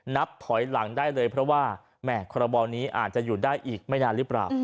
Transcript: นับถอยหลังได้เลยเพราะว่าแหม่คอรบนี้อาจจะอยู่ได้อีกไม่นานหรือเปล่า